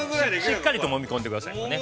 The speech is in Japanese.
◆しっかりともみ込んでくださいね。